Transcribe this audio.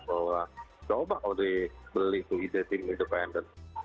bahwa coba kau dibeli ide tim independen